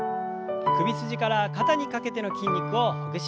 首筋から肩にかけての筋肉をほぐします。